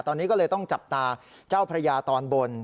ตอนนี้ก็เลยต้องจับตาเจ้าพระยาตอนบน